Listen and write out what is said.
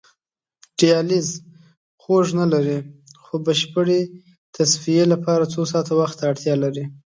دیالیز خوږ نه لري خو بشپړې تصفیې لپاره څو ساعته وخت ته اړتیا لري.